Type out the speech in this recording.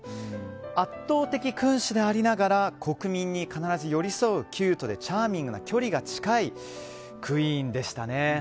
圧倒的君主でありながら国民に必ず寄り添うキュートでチャーミングな、距離が近いクイーンでしたね。